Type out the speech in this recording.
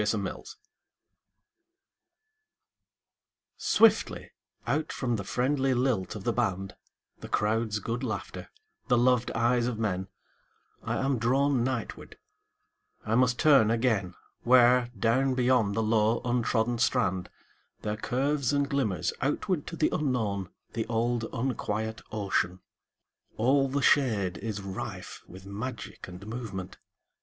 Seaside SWIFTLY out from the friendly lilt of the band, The crowd's good laughter, the loved eyes of men,I am drawn nightward; I must turn againWhere, down beyond the low untrodden strand, There curves and glimmers outward to the unknownThe old unquiet ocean. All the shadeIs rife with magic and movement.